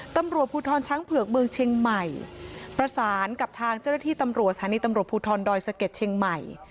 ตำรวจภูทรช้างเผือกเมืองเชียงใหม่ประสานกับทางเจ้าหน้าที่ตำรวจสถานีตำรวจภูทรดอยสะเก็ดเชียงใหม่